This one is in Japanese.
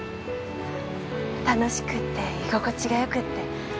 楽しくって居心地がよくって。